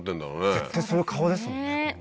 絶対そういう顔ですもんね。